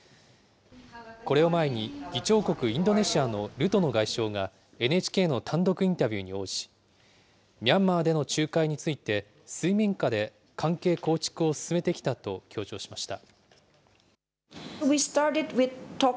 これを前に議長国、インドネシアのルトノ外相が、ＮＨＫの単独インタビューに応じ、ミャンマーでの仲介について、水面下で関係構築を進めてきたと強調しました。